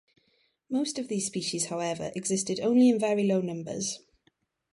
Most of these species, however, existed only in very low numbers.